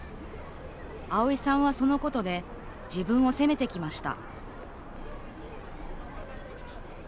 あおいさんは、そのことで自分を責めてきました